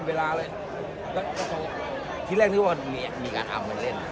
แลกที่ว่ามีการอามกันเล่น